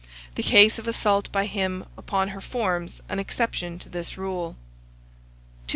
The case of assault by him upon her forms an exception to this rule. 2727.